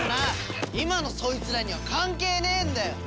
今のそいつらには関係ねえんだよ！